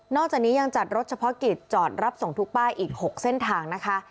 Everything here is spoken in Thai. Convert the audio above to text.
จากนี้ยังจัดรถเฉพาะกิจจอดรับส่งทุกป้ายอีก๖เส้นทางนะคะ